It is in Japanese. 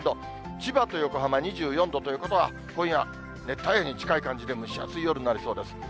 千葉と横浜２４度ということは、今夜、熱帯夜に近い感じで、蒸し暑い夜になりそうです。